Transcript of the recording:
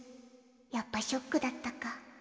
やっぱショックだったか。